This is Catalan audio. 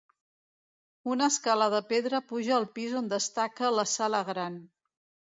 Una escala de pedra puja al pis on destaca la sala gran.